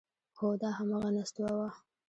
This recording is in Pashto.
هو دا همغه نستوه و…